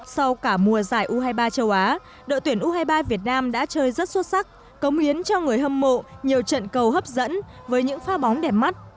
sau cả mùa giải u hai mươi ba châu á đội tuyển u hai mươi ba việt nam đã chơi rất xuất sắc cống hiến cho người hâm mộ nhiều trận cầu hấp dẫn với những pha bóng đẹp mắt